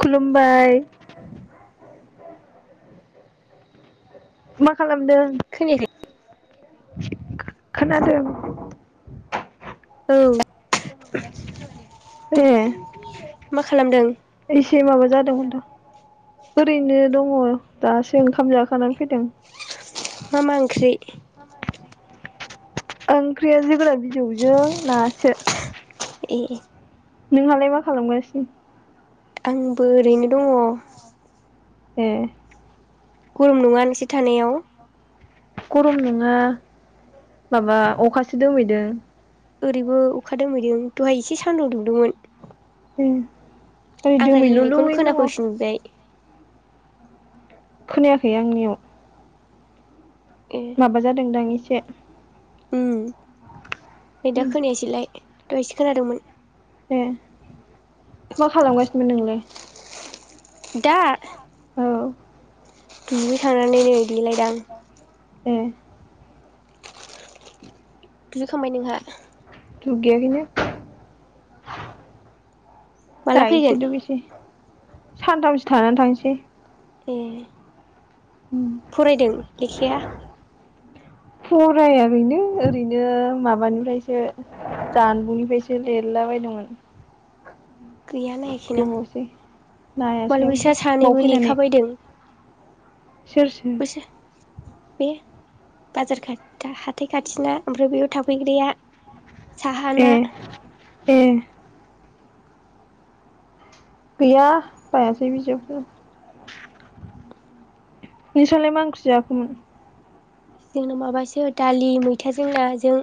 खुलुमबाय। मा खालामदों? खोनायाखै खोनादों। औ ए मा खालामदों एसे माबा जादोंमोन दा। ओरैनो दङ दासो ओंखा खाम जाखांनानै फैदों। मा मा ओंख्रि? ओंख्रिया जोगोनार बिजौजों नासो। ए नोंहालाय मा खालामगासिनो? आंबो ओरैनो दङ। ए गरम नङा नोंसोर थानायाव? गरम नङा। माबा अखासो दोमैदों। [inaudible] ओरैबो अखा दोमैदों दहाय एसे सान्दुं दुंदोंमोन। उम आं रायलायनायखौनो खोनाफैफिनबाय। खोनायाखै आंनियाव। ए माबा जादोंदां एसे से उम नै दा खोनायासैलाय दहायसो खोनादोंमोन। ए मा खालामगासिनोमोन नोंलाय? दा? औ दुगैखांनानै नै देलायदां ए दुगैखांबाय नोंहा? दुगैयाखैनो माला दायोसो फैगोन दुगैसै। सानथामसो थानानै थांसै। ए फरायदों लेखाया? फरायखैनो ओरैनो माबानिफ्रायसो जानबुंनिफ्रायसो लिरलाबायदोंमोन। गैया नायाखैनो आं। गोबावसै नायासै मालाय बैसा ओमफ्राय बाव सानैबो फैनानै लेखा बायदों। सोर सोर? बैसा बे बाजार खाथ हाथाय खाथिना ओमफ्राय बैयाव थाफैग्राया। ए साहाना ए गैया बायासै बिजाबखै बिसोरलाय मानख्रि जायाखैमोन जोंनाव माबासो दालि मैथाजों नाजों।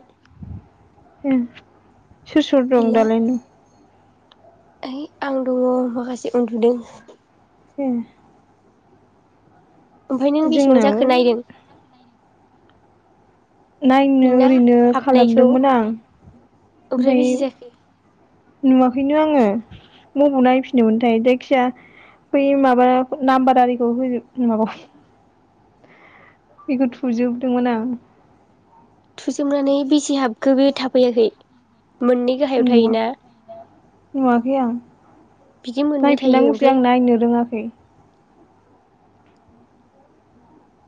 उम सोर सोर दं गैला दालायनो ओइ आं दङ माखासे उन्दुदों। ए ओमफ्राय नों बेसेबां जोंनाबो जाखो नायदों? नायनो नोंना ओरैनो हाबनायखौ खालामदोंमोन आं ओमफ्राय ओमफाय बेसे जाखो नुवाखैनो आङो बबाव नायफिनदोंमोनथाय जायखिया बै माबा नाम्बार आरिखौ होजोब माबा बेखौ थुजोबदोंमोन आं। थुजोबनानै बेसे हाबखो बे थाफैयाखै? मोननै गाहायाव थायोना नवाखै आं बिदि मोननै थायो नायफिननांगौसो ओमफ्राय आं नायनो रोङा [unintelligible]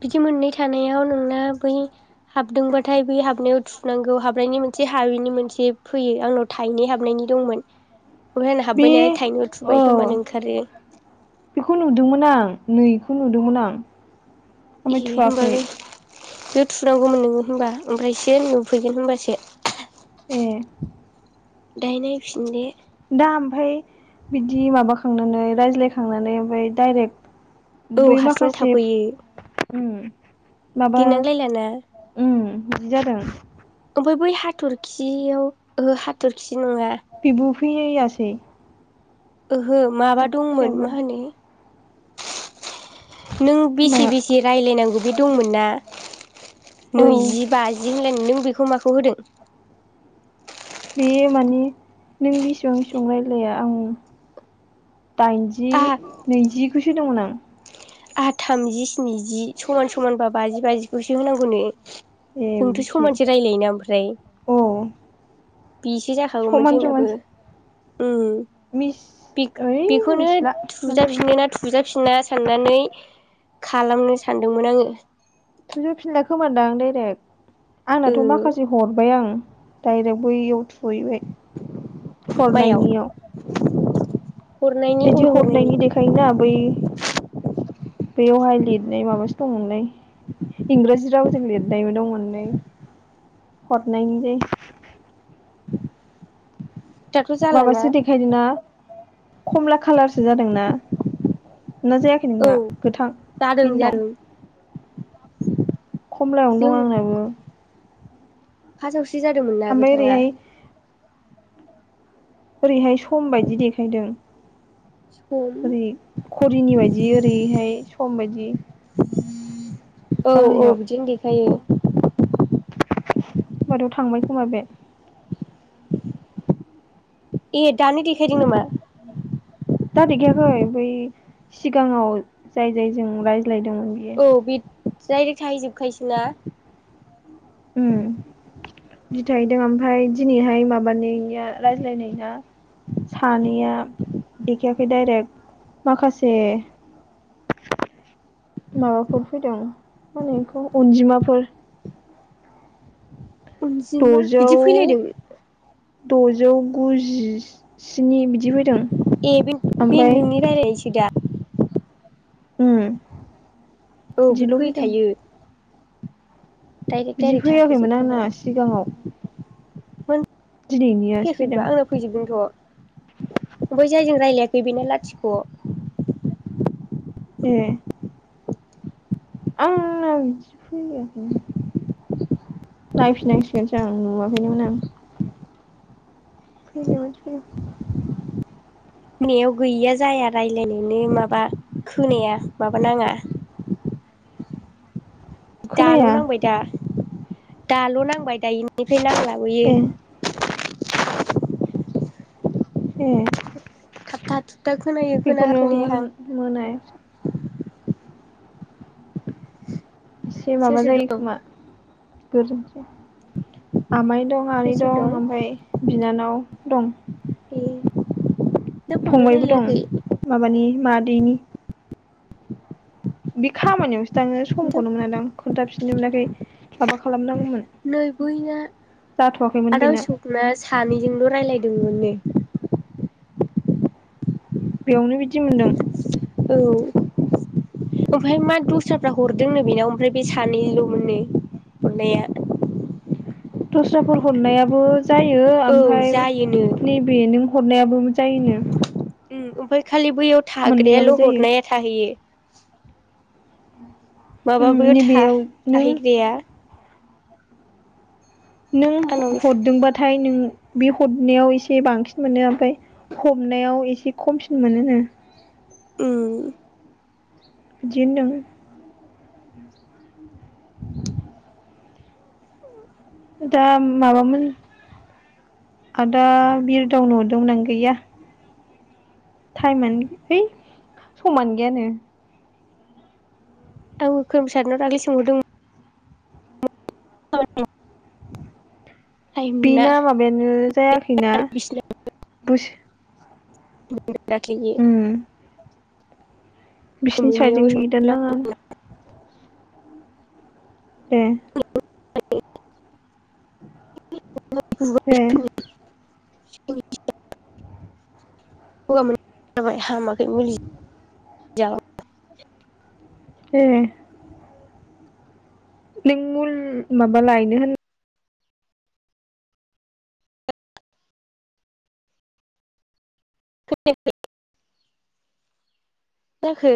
बिदि मोननै थानायाव नोंना बै हाबदोंबाथाय बै हाबनायाव थुनांगौ हाबनायनि मोनसे हाबैनि मोनसे फैयो आंनाव थायनै हाबनायनि दंमोन। ओमफ्राय आंना बे हाब्बाय नालाय थाइनैयाव औ थुबाय होमबानो ओंखारो बेखौ नुदोंमोन आं नै बेखौ नुदोंमोन आं ए ओमफ्राय थुवाखै होमबालाय बेयाव थुनांगौमोन नोङो होनबा ओमफ्रायसो नुफैगोन होनबासो। एह। दायो नायफिन दे। दा ओमफाय बिदि माबाखांनानै रायज्लायखांनानै ओमफाय डायरेक्ट औ बै हारसिं माखासे थाफैयो ओम माबा लिरनांलायलाना ओम इदि जादों ओमफ्राय बै हाथरखियाव ओहो हाथरखि बिदि नङा बेबो फैयासै। ओहो माबा दंमोन, हाथरखियाबो मा होनो? नों बेसे माया बेसे रायज्लायनांगौ बे दंमोन ना? औ नैजि बाजि होनलायनाय नों बेखौ माखौ होदों? बेयो माने नों बेसिबां बेसिबां रायलाया आं दाइनजि आहा नैजिखौसो होदोंमोन आं। आहा थामजि स्निजि समान समानबा बाजि बाजिखौसो होनांगौनो। ए जोंथ' बिदिसो समानसो रायजलायोना ओमफ्राय? औ बिसो जाखागौमोन समान समान जोंनाबो। ओम। मिस बेख ओइ बेखौनो मिथिला माने थुजाफिनो ना थुजाफिना साननानै खालामनो सानदोंमोन आङो। थुजा फिनला खोमादां डाइरेक्ट। ओ आंनाथ' माखासे हरबाय आं। डायरेक्ट बैयाव थु। सयैबाय माइयाव हरनायनियाव। हरनायनि बिदि अबे हरनायनि देखायोना बै बेयावहाय लिरनाय माबासो दंमोनलै इंराजि रावजों लिरनायबो दंमोनलै हरनायनि लै। दाथ' जालाना माबासो देखायदों ना? खमला खालारसो जादोंना? ना जायाखै औ नोंना जादों गोथाङैनो दं जादों खमलायावनो दं आंनाबो फासाव फ्रि जादोंमोन ना ओमफ्राय गोथाङा ओरैहाय ओरैहाय सम बायदि देखायदों सम ओरै घरिनि बायदि ओरैहाय सम बायदि औ औ गाहायाव बिदिनो देखायो होमबाथ थांबाय खोमा बे ए दानि देखायदों नामा दा देखायाखै बै सिगाङाव जाय जाय जों राय सोलायदोंमोन बियो डायरेक्ट थाहैजोबखायोसो ना ओम बिथायदों ओमफाय दिनैहाय माबानायनिया रायज्लायनायना सानैया देखायाखै डाइरेक्ट माखासे माबाफोर फैदों मा होनो बेखौ अनजिमाफोर [inaudible] अनजिमा द'जौ बिदि फैलायदों दजौ गुजि ए बे बे ओमफ्राय नोंनि रायलायसो खैदा उम औ बे बिदिल' फैदों फैखायो डाइरेक्ट बिदि डाइरेक्ट फैयाखैमोन आंना थाहैजोबखाबाय सिगाङाव मोन दिनैनियासो फैदों फैयाखैबा आंना फैजोबदोंथ बै जायजों रायज्लायाखै बेना लाथिख ए आंना बिदि फैयाखै नायफिननांसिगोनसो आं नुवाखैनोमोन आं [unintelligible] नैयाव गैया जाया रायलायनायानो माबा खोनाया माबा नाङा दाल खोनाया नांबाय दा दाल नांबाय दायोनि [unintelligible] लाबोयो ए ए थाबथा थुबथा खोनायो खोनाहां बेखौनो खोनायाहां मोनायासै एसे सोर माबा सोर जायो दं खोमा [inaudible] आमाइ दं सोर आनै सोर दं ओमफाय बिनानाव दं ए नोंथां फंबाय फंबायबो दं रायलायाखै माबानि मा दैनि बे खामानियावसो थाङो नोंथां समखौनो मोनादां खोन्थाफिननो मोनाखै माबा खालामनांगौमोन नै बैना जाथ'वाखैमोन आदा बेना। अशकना सानैजोंल' [unintelligible] ओम बेयावनो बिदि मोनदों? औ ओमफ्राय मा दस्राफ्रा हरदोंनो बेनाव ओमफ्राय बे सानैल'मोननो हरनाया। दस्राफोर हरनायाबो जायो औ ओमफ्राय जायोनो नैबे नों हरनायाबो मो जायो नो उम्म ओमफाइ खालि बैयाव थाग्रायाल' जायो हरनाया थाहैयो। [unintelligible] उम माबा बैयाव था नैबेयाव नों थाहैग्राया नों आंनाव हरदोंबाथाय नों बे हरनायाव एसे बांसिन मोनो ओमफाय हमनायाव एसे खमसिन मोनो नो। उम्म बिदि होनदों। दा माबामोन आदा बिरदाव न'आव दंना गैया? थाइमोन है समानो गैयानो। औ खोरोमसारनाव दाख्लै सोंहरदोंमोन। औ बेना माबायानो जायाखैना आरो बिसिना बोसो दाख्लैयो उम बिसिनि साइडजों मोनियाव संख्रि नेदानो नांङा। दे औ ए स [unintelligible] गगा मोनइ यानो हामाखै मुलि जाबाबो। ए नों मुल माबा लायनो होन खोनायाखै मा जाखो?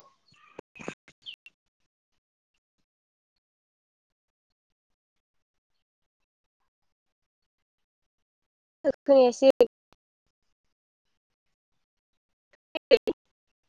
[unintelligible] खोनायासै ह [unintelligible]